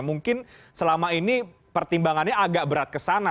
mungkin selama ini pertimbangannya agak berat kesana